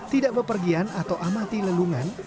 tidak bepergian atau amati lelungan